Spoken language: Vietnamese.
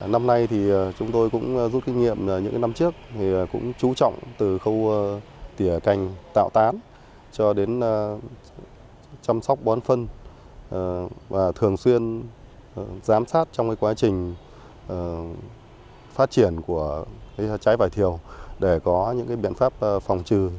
năm nay thì chúng tôi cũng rút kinh nghiệm những năm trước cũng trú trọng từ khâu tỉa cành tạo tán cho đến chăm sóc bón phân và thường xuyên giám sát trong quá trình phát triển của trái vải thiều để có những biện pháp phòng trừ sâu hại